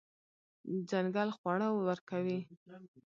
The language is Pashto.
ځنګل خواړه ورکوي.